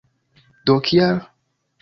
Do kial?